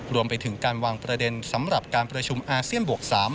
รวมไปถึงการวางประเด็นสำหรับการประชุมอาเซียนบวก๓